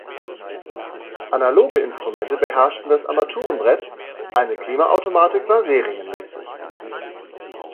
Analoge Instrumente beherrschten das Armaturenbrett, eine Klimaautomatik war serienmäßig.